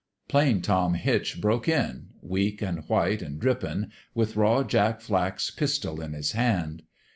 " Plain Tom Hitch broke in weak an' white an' drippin' with Raw Jack Flack's pistol in his hand.